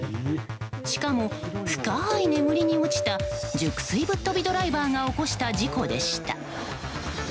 しかも、深い眠りに落ちた熟睡ぶっとびドライバーが起こした事故でした。